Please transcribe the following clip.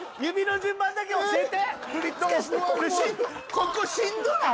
ここしんどない？